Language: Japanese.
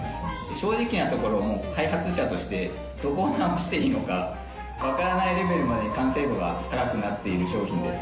正直なところ、もう開発者として、どこを直していいのか分からないレベルまで完成度が高くなっている商品です。